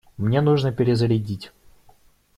Мне нужно перезарядить.